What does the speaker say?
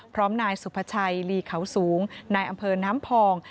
นายสุภาชัยลีเขาสูงนายอำเภอน้ำพอง